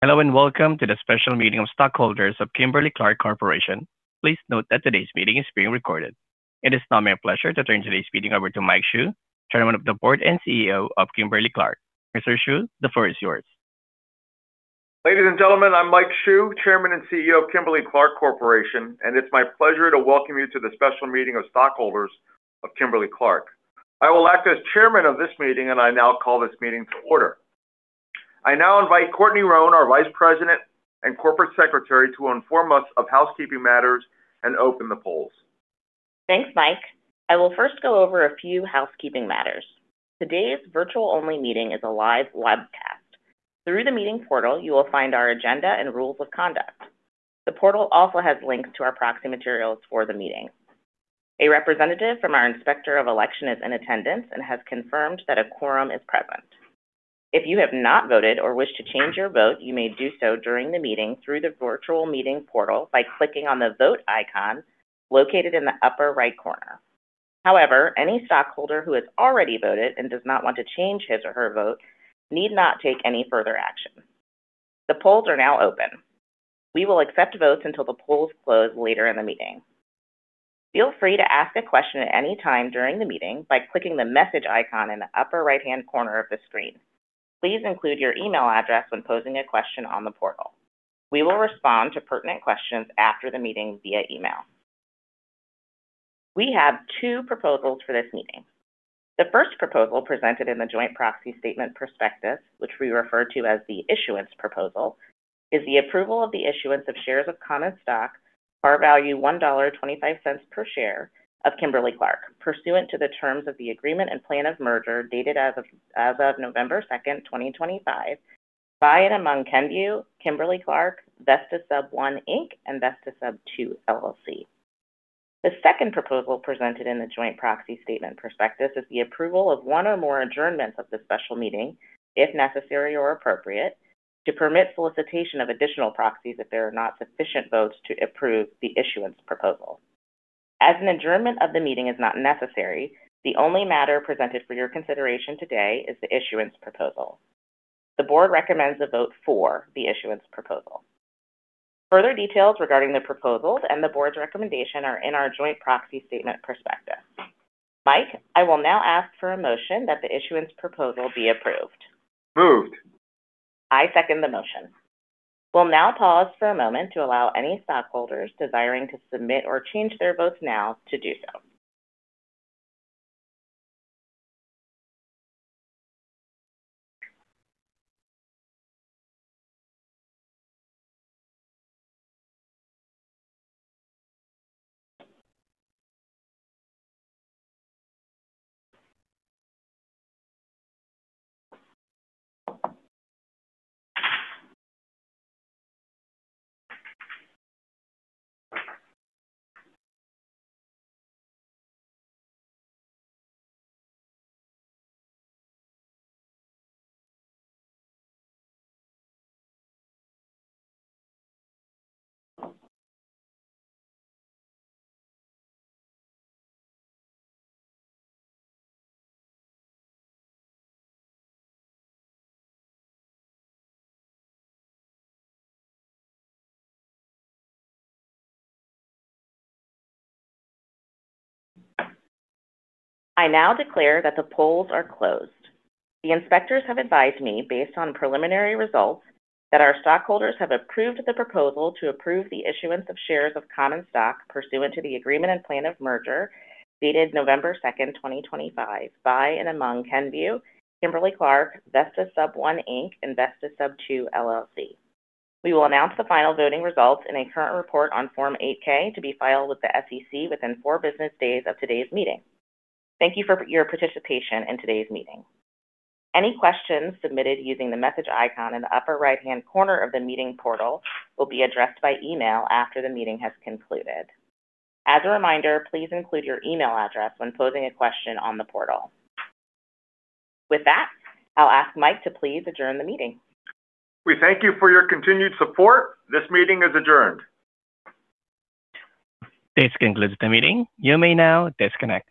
Hello and welcome to the special meeting of stockholders of Kimberly-Clark Corporation. Please note that today's meeting is being recorded. It is now my pleasure to turn today's meeting over to Mike Hsu, Chairman of the Board and CEO of Kimberly-Clark. Mr. Hsu, the floor is yours. Ladies and gentlemen, I'm Mike Hsu, Chairman and CEO of Kimberly-Clark Corporation, and it's my pleasure to welcome you to the special meeting of stockholders of Kimberly-Clark. I will act as Chairman of this meeting, and I now call this meeting to order. I now invite Courtney Roan, our Vice President and Corporate Secretary, to inform us of housekeeping matters and open the polls. Thanks, Mike. I will first go over a few housekeeping matters. Today's virtual-only meeting is a live webcast. Through the meeting portal, you will find our agenda and rules of conduct. The portal also has links to our proxy materials for the meeting. A representative from our Inspector of Election is in attendance and has confirmed that a quorum is present. If you have not voted or wish to change your vote, you may do so during the meeting through the virtual meeting portal by clicking on the vote icon located in the upper right corner. However, any stockholder who has already voted and does not want to change his or her vote need not take any further action. The polls are now open. We will accept votes until the polls close later in the meeting. Feel free to ask a question at any time during the meeting by clicking the message icon in the upper right-hand corner of the screen. Please include your email address when posing a question on the portal. We will respond to pertinent questions after the meeting via email. We have two proposals for this meeting. The first proposal presented in the Joint Proxy Statement/Prospectus, which we refer to as the issuance proposal, is the approval of the issuance of shares of common stock, par value $1.25 per share, of Kimberly-Clark pursuant to the terms of the agreement and plan of merger dated as of November 2nd, 2025, by and among Kenvue, Kimberly-Clark, Vesta Sub I, Inc., and Vesta Sub II, LLC. The second proposal presented in the Joint Proxy Statement/Prospectus is the approval of one or more adjournments of the special meeting, if necessary or appropriate, to permit solicitation of additional proxies if there are not sufficient votes to approve the issuance proposal. As an adjournment of the meeting is not necessary, the only matter presented for your consideration today is the issuance proposal. The board recommends a vote for the issuance proposal. Further details regarding the proposals and the board's recommendation are in our Joint Proxy Statement/Prospectus. Mike, I will now ask for a motion that the issuance proposal be approved. Approved. I second the motion. We'll now pause for a moment to allow any stockholders desiring to submit or change their votes now to do so. I now declare that the polls are closed. The inspectors have advised me, based on preliminary results, that our stockholders have approved the proposal to approve the issuance of shares of common stock pursuant to the agreement and plan of merger dated November 2nd, 2025, by and among Kenvue, Kimberly-Clark, Vesta Sub I, Inc., and Vesta Sub II, LLC. We will announce the final voting results in a current report on Form 8-K to be filed with the SEC within four business days of today's meeting. Thank you for your participation in today's meeting. Any questions submitted using the message icon in the upper right-hand corner of the meeting portal will be addressed by email after the meeting has concluded. As a reminder, please include your email address when posing a question on the portal. With that, I'll ask Mike to please adjourn the meeting. We thank you for your continued support. This meeting is adjourned. This concludes the meeting. You may now disconnect.